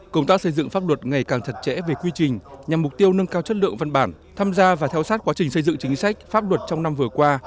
công tác xây dựng pháp luật ngày càng thật trễ về quy trình nhằm mục tiêu nâng cao chất lượng văn bản tham gia và theo sát quá trình xây dựng chính sách pháp luật trong năm vừa qua